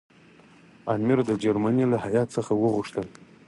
امیر د جرمني له هیات څخه وغوښتل.